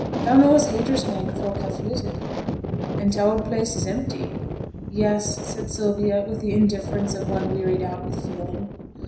Thou knows Haytersbank folk ha' flitted, and t' oud place is empty?' 'Yes!' said Sylvia, with the indifference of one wearied out with feeling.